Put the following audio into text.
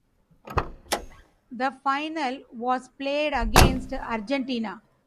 The final was played against Argentina.